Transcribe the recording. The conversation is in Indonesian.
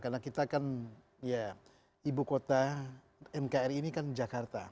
karena kita kan ibu kota mkri ini kan jakarta